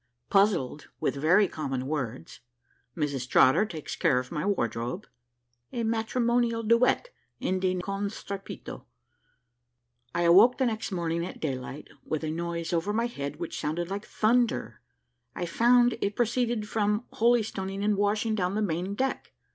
PUZZLED WITH VERY COMMON WORDS MRS. TROTTER TAKES CARE OF MY WARDROBE A MATRIMONIAL DUET, ENDING "CON STREPITO." I awoke the next morning at daylight with a noise over my head which sounded like thunder; I found it proceeded from holy stoning and washing down the main deck.